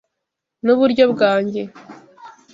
Nuburyo bwanjye.